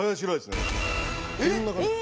こんな感じ。